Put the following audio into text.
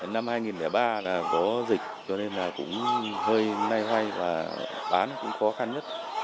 năm hai nghìn ba là có dịch cho nên là cũng hơi nay hoay và bán cũng khó khăn nhất